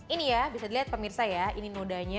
ini ya bisa dilihat pemirsa ya ini nodanya